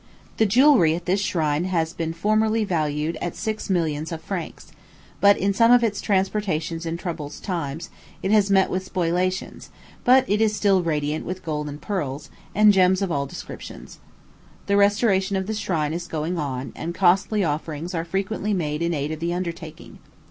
The jewelry at this shrine has been formerly valued at six millions of francs; but in some of its transportations in troublous times, it has met with spoliations; but it is still radiant with gold and pearls, and gems of all descriptions. The restoration of the shrine is going on, and costly offerings are frequently made in aid of the undertaking.